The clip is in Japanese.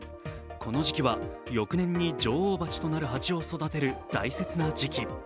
この時期は翌年に女王蜂となる蜂を育てる大事な時期。